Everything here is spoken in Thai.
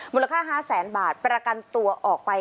มูลค่า๕แสนบาทประกันตัวออกไป